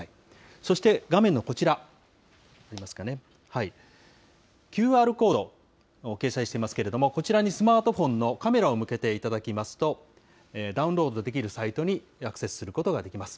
そして、画面のこちら、出ますかね、ＱＲコード、掲載していますけれども、こちらにスマートフォンのカメラを向けていただきますと、ダウンロードできるサイトにアクセスすることができます。